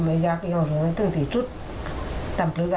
มีโทรศัพท์มาขอเคลียร์